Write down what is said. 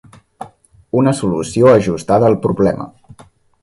Una solució ajustada al problema.